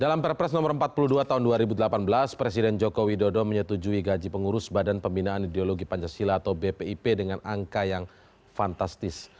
dalam perpres no empat puluh dua tahun dua ribu delapan belas presiden joko widodo menyetujui gaji pengurus badan pembinaan ideologi pancasila atau bpip dengan angka yang fantastis